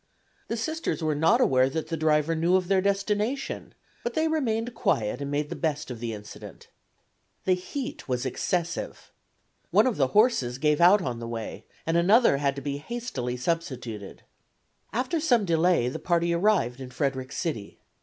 The Sisters were not aware that the driver knew of their destination, but they remained quiet and made the best of the incident. The heat was excessive. One of the horses gave out on the way, and another had to be hastily substituted. After some delay the party arrived in Frederick City.